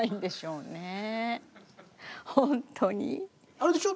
あれでしょ？